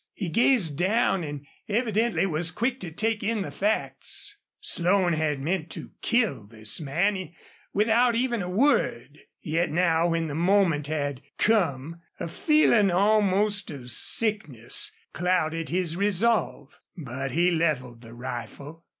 He gazed down and evidently was quick to take in the facts. Slone had meant to kill this man without even a word, yet now when the moment had come a feeling almost of sickness clouded his resolve. But he leveled the rifle.